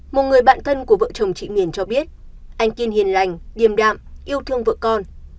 một người bạn thân của vợ chồng chị miền cho biết anh kiên hiền lành điềm đạm yêu thương vợ con